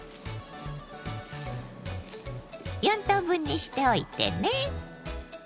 ４等分にしておいてね。